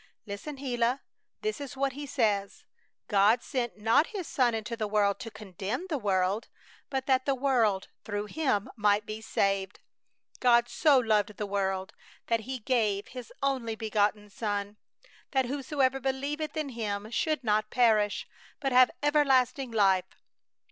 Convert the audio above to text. "Listen, Gila! This is what He says: 'God sent not His Son into the world to condemn the world, but that the world through Him might be saved.... God so loved the world that He gave His only Begotten Son, that whosoever believeth in Him should not perish, but have everlasting life.'